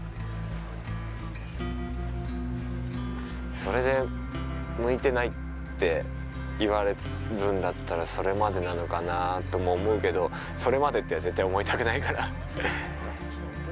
それで向いてないって言われるんだったらそれまでなのかなとも思うけどそれまでって絶対思いたくないから。